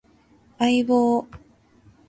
相棒